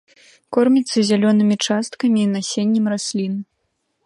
Корміцца зялёнымі часткамі і насеннем раслін.